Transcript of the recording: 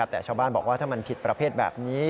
แต่ชาวบ้านบอกว่าถ้ามันผิดประเภทแบบนี้